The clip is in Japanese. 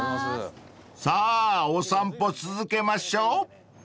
［さぁお散歩続けましょう］